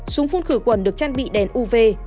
súng phun khử khuẩn được trang bị đèn uv